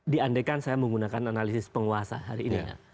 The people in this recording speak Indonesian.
diandekan saya menggunakan analisis penguasa hari ini ya